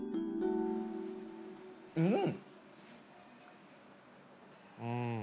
うん！